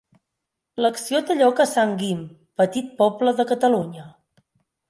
L'acció té lloc a Sant Guim, petit poble de Catalunya.